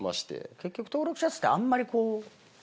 結局登録した人ってあんまりこう。